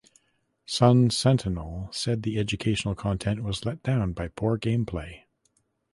Sun Sentinel said the educational content was let down by poor gameplay.